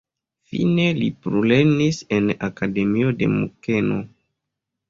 Fine li plulernis en akademio de Munkeno.